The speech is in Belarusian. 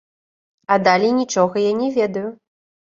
А далей нічога я не ведаю.